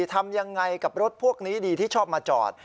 ทำยังไงกับรถพวกนี้ดีที่ชอบมาจอด